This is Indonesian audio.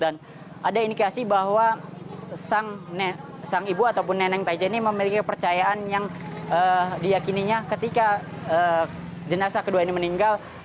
dan ada indikasi bahwa sang ibu ataupun neneng hatijah ini memiliki kepercayaan yang diyakininya ketika jenazah kedua ini meninggal